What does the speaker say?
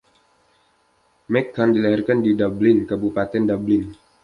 McCann dilahirkan di Dublin, Kabupaten Dublin.